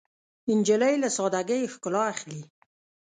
نجلۍ له سادګۍ ښکلا اخلي.